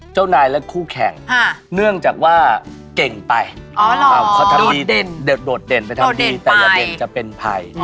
เจ้านายและคู่แข่งเนื่องจากว่าเก่งไปดดเด่นไปให้ทำดีแต่อย่าเป็นภัย